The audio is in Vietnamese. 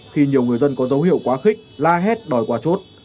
khi nhiều người dân có dấu hiệu quá khích la hét đòi qua chốt